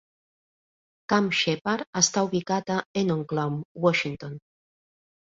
Camp Sheppard està ubicat a Enumclaw, Washington.